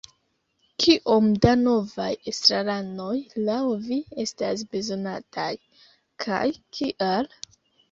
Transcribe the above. Kiom da novaj estraranoj laŭ vi estas bezonataj, kaj kial?